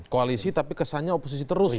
koalisi tapi kesannya oposisi terus